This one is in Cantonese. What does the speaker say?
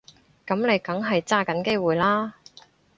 噉你梗係揸緊機會啦